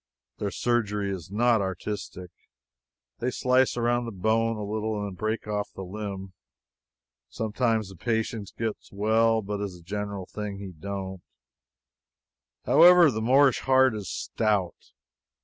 Their surgery is not artistic. They slice around the bone a little, then break off the limb. Sometimes the patient gets well; but, as a general thing, he don't. However, the Moorish heart is stout.